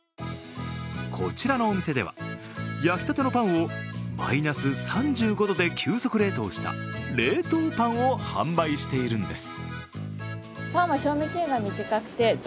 こちらのお店では、焼きたてのパンをマイナス３５度で急速冷凍した冷凍パンを販売しているんです。